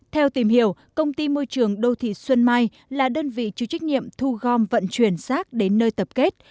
theo tìm hiểu công ty môi trường đô thị xuân mai là đơn vị chủ trách nhiệm thu gom vận chuyển rác đến nơi tập kết